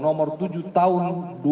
nomor tujuh tahun dua ribu dua puluh dua